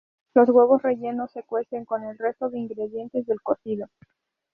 Los huevos rellenos se cuecen con el resto de ingredientes del cocido.